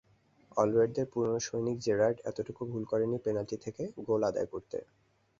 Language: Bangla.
অলরেডদের পুরোনো সৈনিক জেরার্ড এতটুকু ভুল করেননি পেনাল্টি থেকে গোল আদায় করতে।